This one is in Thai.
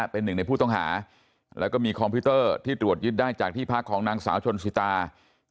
เป็นหนึ่งในผู้ต้องหาแล้วก็มีคอมพิวเตอร์ที่ตรวจยึดได้จากที่พักของนางสาวชนสิตา